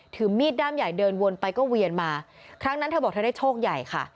ถือมีดด้ามใหญ่เดินวนไปก็เวียนมาครั้งนั้นเธอบอกเธอได้โชคใหญ่ค่ะ